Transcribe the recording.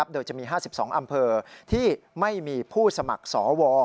โดยจะมี๕๒อำเภอที่ไม่มีผู้สมัครสว